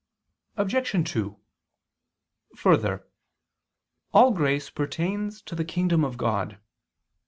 Obj. 2: Further, all grace pertains to the kingdom of God.